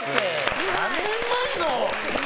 何年前の？